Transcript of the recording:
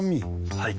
はい。